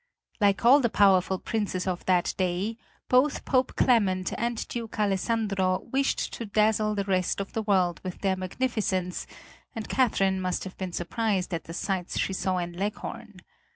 Like all the powerful princes of that day both Pope Clement and Duke Alessandro wished to dazzle the rest of the world with their magnificence, and Catherine must have been surprised at the sights she saw in Leghorn.